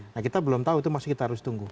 nah kita belum tahu itu masih kita harus tunggu